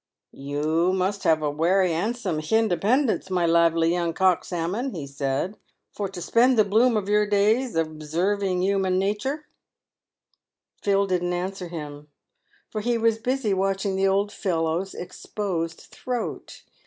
" You must have a werry 'andsome hindependence, my lively young cock salmon," he said, " for to spend the bloom of your days observing human natur." Phil didn't answer him, for he was busy watching the old fellow's exposed throat.